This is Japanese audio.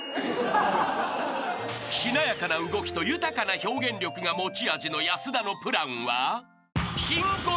［しなやかな動きと豊かな表現力が持ち味の安田のプランは］